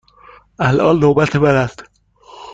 الان نوبت من است.